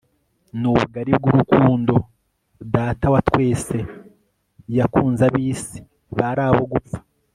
nubugari bgurukundo Data wa Twese yakunzabisi bar abo gupfa